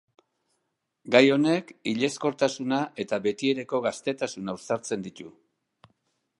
Gai honek hilezkortasuna eta betiereko gaztetasuna uztartzen ditu.